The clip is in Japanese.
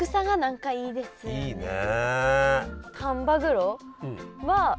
いいね。